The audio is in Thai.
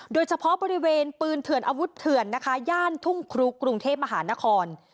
โดยเฉพาะบริเวณปืนเถื่อนอาวุธเถื่อนนะคะย่านทุ่งครุกรุงเทพมหานคร